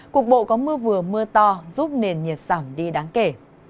cục bộ có mưa vừa mưa to giúp nền nhiệt giảm đi đáng kể